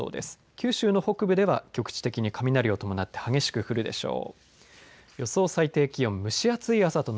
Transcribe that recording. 九州の北部では局地的に雷を伴って激しく降るでしょう。